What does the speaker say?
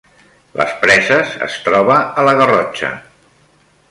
Les Preses es troba a la Garrotxa